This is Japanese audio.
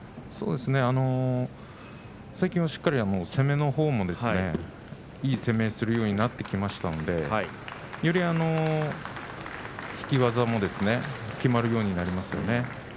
そうですね最近はしっかり攻めのほうもいい攻めをするようになってきましたのでより引き技もきまるようになりますね。